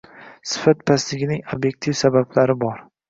Sifat pastligining ob’ektiv sabablari bor.